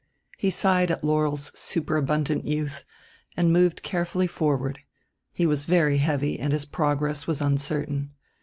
He sighed at Laurel's superabundant youth, and moved carefully forward; he was very heavy, and his progress was uncertain.